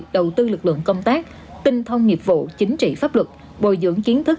đầu tư lực lượng công tác tinh thông nghiệp vụ chính trị pháp luật bồi dưỡng kiến thức